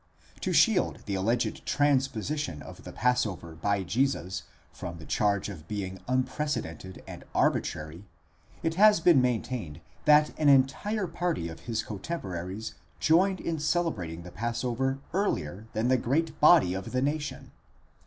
To shield the alleged transposition of the passover by Jesus from the charge of being unprecedented and arbitrary, it has been maintained that an entire party of his cotemporaries joined in celebrating the passover earlier than the great body of the nation.